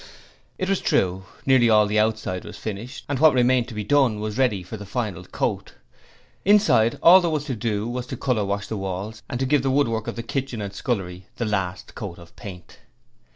This was true: nearly all the outside was finished, and what remained to be done was ready for the final coat. Inside all there was to do was to colour wash the walls and to give the woodwork of the kitchen and scullery the last coat of paint.